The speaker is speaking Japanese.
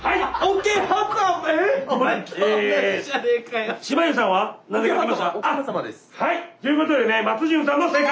桶狭間です。ということでね松潤さんの正解！